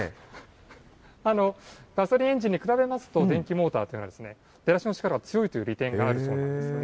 ガソリンエンジンに比べますと、電気モーターというのは出だしの力は強いという利点があるそうなんですね。